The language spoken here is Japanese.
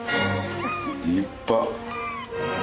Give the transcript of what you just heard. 立派。